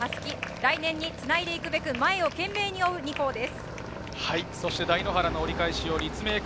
来年につないでいくべく前を懸命に追う２校です。